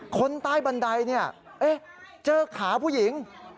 คนใต้บันไดเจอขาผู้หญิง